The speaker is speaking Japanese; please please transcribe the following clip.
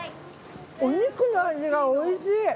お肉の味がおいしい。